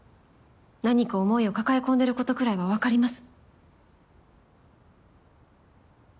何か思いを抱え込んでることくらいはわかります。